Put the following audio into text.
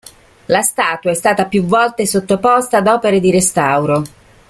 La statua è stata più volte sottoposta ad opere di restauro.